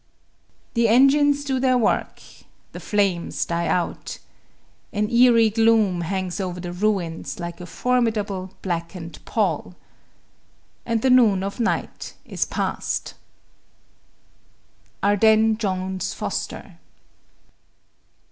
The engines do their work. The flames die out. An eerie gloom hangs over the ruins like a formidable, blackened pall. And the noon of night is passed. ARDENNES JONES FOSTER.